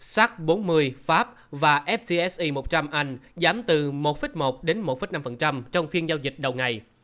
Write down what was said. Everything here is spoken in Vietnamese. sharp bốn mươi pháp và ftse một trăm linh anh giảm từ một một đến một năm trong phiên giao dịch đầu ngày